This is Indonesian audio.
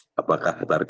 ini adalah yang ketiga